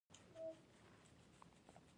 کوتره کوچنۍ خو زړوره مرغه ده.